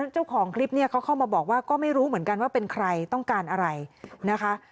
เจ้าของคลิปเนี่ยเขาเข้ามาบอกว่าก็ไม่รู้เหมือนกันว่าเป็นใครต้องการอะไรนะคะ